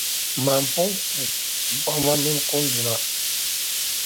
Mani pun ku gbuɣima mini kunduna.